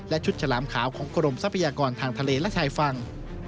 และชุดฉลามขาวของกรมทรัพยากรทางทะเลและชายฝั่ง